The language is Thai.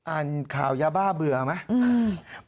อ่านข่าวยาบ้าเบื่อไหม